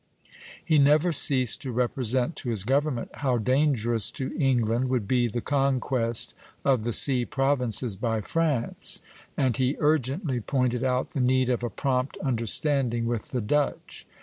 He never ceased to represent to his government how dangerous to England would be the conquest of the sea provinces by France, and he urgently pointed out the need of a prompt understanding with the Dutch.